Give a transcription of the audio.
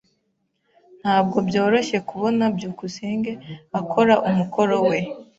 Ntabwo byoroshye kubona byukusenge akora umukoro we.